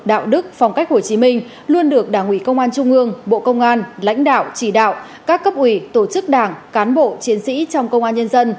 đạo đức phong cách hồ chí minh luôn được đảng ủy công an trung ương bộ công an lãnh đạo chỉ đạo các cấp ủy tổ chức đảng cán bộ chiến sĩ trong công an nhân dân